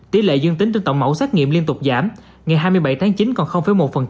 tỷ lệ dương tính trên tổng mẫu xét nghiệm liên tục giảm ngày hai mươi bảy tháng chín còn một